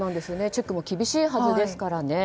チェックも厳しいはずですからね。